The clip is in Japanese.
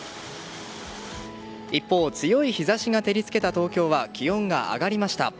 一方、強い日差しが照り付けた東京は気温が上がりました。